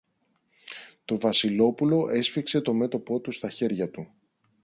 Το Βασιλόπουλο έσφιξε το μέτωπο του στα χέρια του.